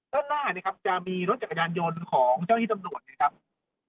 ด้านหน้าเนี่ยครับจะมีรถจักรยานยนต์ของเจ้าที่ตำรวจเนี่ยครับ